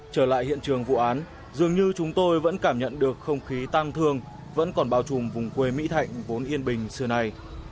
trở lại hiện trường vụ án dường như chúng tôi vẫn cảm nhận được không khí tan thương vẫn còn bao trùm vùng quê mỹ thạnh vốn yên bình xưa nay